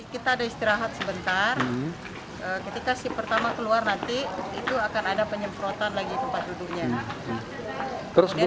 kita ada istirahat sebentar ketika si pertama keluar nanti itu akan ada penyemprotan lagi tempat duduknya